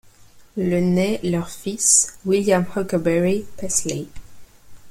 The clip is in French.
Le naît leur fils, William Huckleberry Paisley.